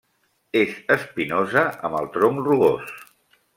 És espinosa, amb el tronc rugós.